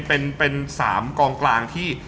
เป็น๓กองกลางที่